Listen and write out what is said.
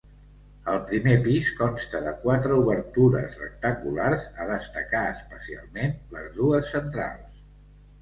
El primer pis consta de quatre obertures rectangulars, a destacar especialment les dues centrals.